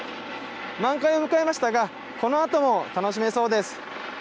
満開を迎えましたがこのあとも楽しめそうです。